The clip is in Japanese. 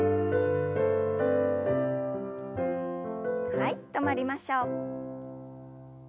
はい止まりましょう。